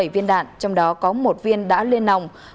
bảy viên đạn trong đó có một viên đã lên nòng